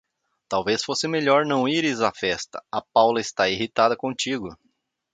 Talvez fosse melhor não ires à festa. A Paula está irritada contigo.